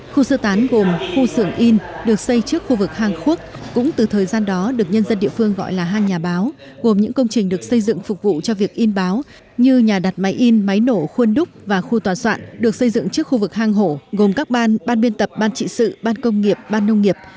khu sơ tán gồm khu xưởng in được xây trước khu vực hàng khuốc cũng từ thời gian đó được nhân dân địa phương gọi là hang nhà báo gồm những công trình được xây dựng phục vụ cho việc in báo như nhà đặt máy in máy nổ khuôn đúc và khu tòa soạn được xây dựng trước khu vực hang hổ gồm các ban ban biên tập ban trị sự ban công nghiệp ban nông nghiệp